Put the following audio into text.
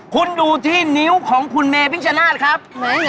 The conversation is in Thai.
คุณดูที่นิ้วของคุณเมค์ฟิ่งจันทร์ครับ